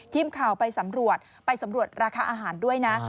ทีมข่าวไปสำรวจไปสำรวจราคาอาหารด้วยนะ